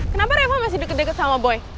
kenapa reva masih deket deket sama boy